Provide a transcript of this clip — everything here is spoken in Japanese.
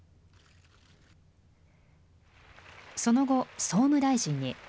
その後、総務大臣に。